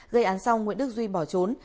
gây án xong nguyễn đức duy bỏ trốn